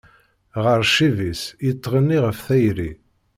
Ɣer ccib-is, yettɣenni ɣef tayri.